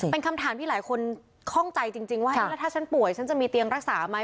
เป็นคำถามที่หลายคนคล่องใจจริงว่าแล้วถ้าฉันป่วยฉันจะมีเตียงรักษาไหม